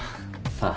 さあ。